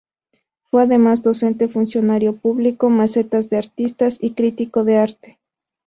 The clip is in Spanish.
Fue además docente, funcionario público, mecenas de artistas y crítico de arte.